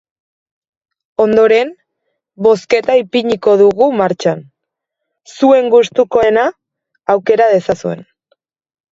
Ondoren, bozketa ipiniko dugu martxan, zuen gustukoena aukera dezazuen.